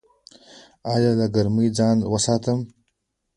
ایا له ګرمۍ ځان وساتم؟